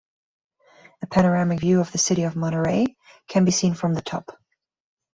A panoramic view of the city of Monterrey can be seen from the top.